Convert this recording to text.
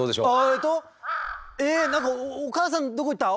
えっとえ何か「お母さんどこ行った？